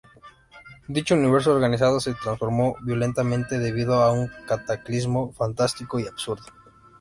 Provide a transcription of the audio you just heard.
Dicho universo organizado se transforma violentamente, debido a un cataclismo fantástico y absurdo.